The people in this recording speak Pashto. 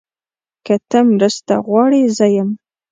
که ته مرسته غواړې، زه یم.